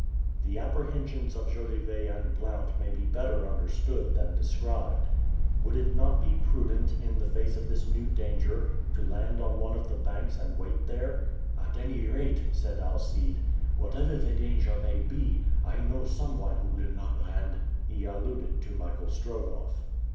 The apprehensions of Jolivet and Blount may be better understood than described. Would it not be prudent, in face of this new danger, to land on one of the banks and wait there? "At any rate," said Alcide, "whatever the danger may be, I know some one who will not land!" He alluded to Michael Strogoff.